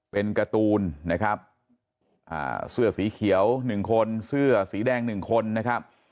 เป็นการ์ตูนนะครับเสื้อสีเขียว๑คนเสื้อสีแดง๑คนนะครับ